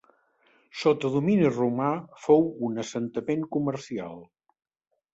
Sota domini romà fou un assentament comercial.